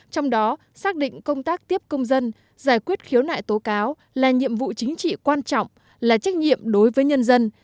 trong đó xác định công tác tiếp công dân giải quyết khiếu nại tố cáo là nhiệm vụ chính trị quan trọng là trách nhiệm đối với nhân dân